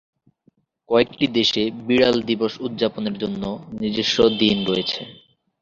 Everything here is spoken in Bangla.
কয়েকটি দেশে বিড়াল দিবস উদযাপনের জন্য নিজস্ব দিন রয়েছে।